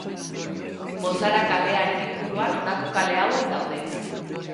Moraza kalearen inguruan honako kale hauek daude.